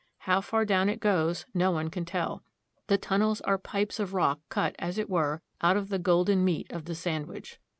How far down it goes no one can tell. The tun nels are pipes of rock cut, as it were, out of the golden meat of the sandwich.